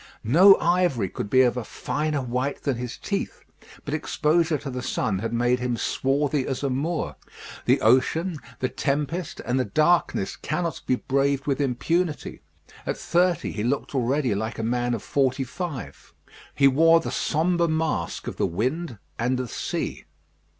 No ivory could be of a finer white than his teeth; but exposure to the sun had made him swarthy as a moor. The ocean, the tempest, and the darkness cannot be braved with impunity. At thirty he looked already like a man of forty five. He wore the sombre mask of the wind and the sea.